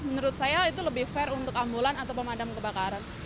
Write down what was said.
menurut saya itu lebih fair untuk ambulan atau pemadam kebakaran